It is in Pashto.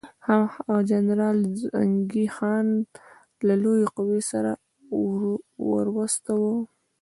هغه جنرال زنګي خان له لویې قوې سره ورواستاوه.